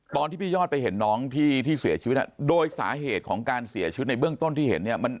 ตอนที่พี่ยอดไปเห็นน้องที่เสียชีวิตโดยสาเหตุของการเสียชีวิตในเบื้องต้นที่เห็นเนี่ย